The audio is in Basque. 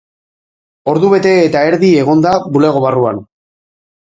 Ordubete eta erdi egon da bulego barruan.